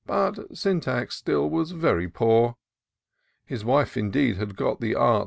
But Syntax still was very poor. His wife, indeed, had got the art.